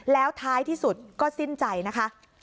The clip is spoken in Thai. แล้วท้ายที่สุดก็สิ้นใจนะคะ